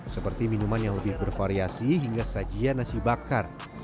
seperti minuman yang lebih bervariasi hingga sajian nasi bakar